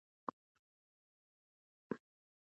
مڼه ولې ځمکې ته راغورځیږي؟